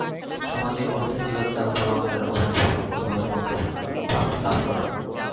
সমাধি-অর্থে জীবাত্মা ও পরমাত্মার অভেদভাব, অথবা সমত্বভাব লাভ করা।